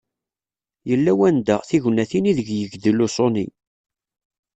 Yella wanda, tignatin i deg yegdel uṣuni.